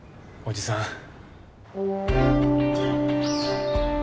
おじさん。